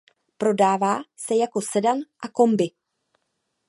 Prodává se jako sedan a kombi.